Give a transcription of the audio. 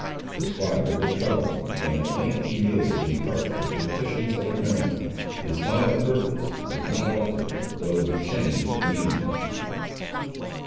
The squatter was troubled, and at length he yielded in part to the petitions of the criminal. His final purpose was not altered, though he changed the means.